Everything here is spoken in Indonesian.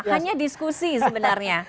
hanya diskusi sebenarnya